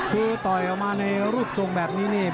คือต่อยออกมาในรูปทรงแบบนี้นี่